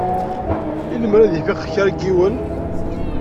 I lemmer ad ifiq kra n yiwen?